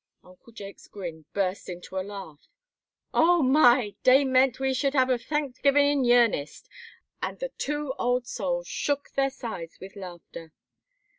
Uncle Jake's grin burst into a laugh. "Oh my! dey meant we should hab a Tanksgivin' in yearnest;" and the two old souls shook their sides with laughter.